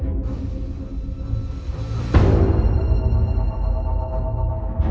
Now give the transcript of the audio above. โหดูตายพางในสถานนี้แล้วก็เอาสิฆ่าไป